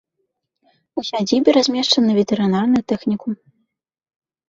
У сядзібе размешчаны ветэрынарны тэхнікум.